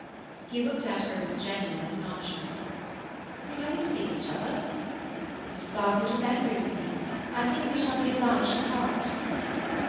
He looked at her with genuine astonishment. "You haven't seen each other?" "Miss Barfoot is angry with me. I think we shall be obliged to part."